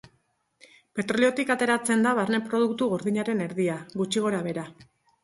Petroliotik ateratzen da barne-produktu gordinaren erdia, gutxi gorabehera.